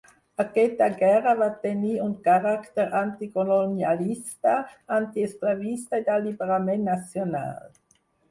Aquesta guerra va tenir un caràcter anticolonialista, antiesclavista i d'alliberament nacional.